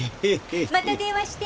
また電話して」。